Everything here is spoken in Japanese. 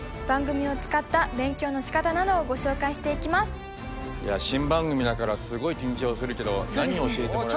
今回はいや新番組だからすごい緊張するけど何を教えてもらえるか。